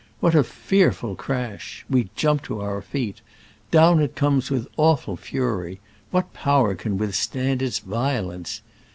What a fearful crash ! We jump to our feet. Down it comes with awful fury : what power can with stand its violence